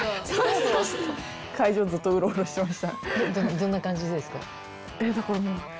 どんな感じでですか？